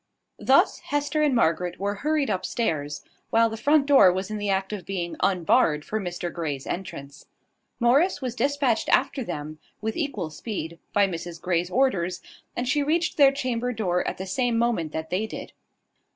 Thus Hester and Margaret were hurried up stairs, while the front door was in the act of being unbarred for Mr Grey's entrance. Morris was despatched after them, with equal speed, by Mrs Grey's orders, and she reached their chamber door at the same moment that they did.